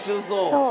そう。